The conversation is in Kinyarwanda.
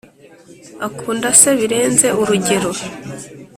akunda se birenze urugero.